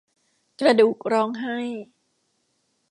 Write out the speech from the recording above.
กระดูกร้องไห้